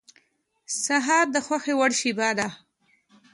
سهار د خوښې وړ شېبه ده.